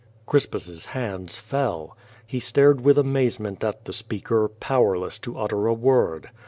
Crispus's hands fell. He stared with amazement at the speaker, powerless to utter a word.